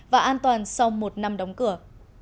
và an toàn sau một năm đóng cửa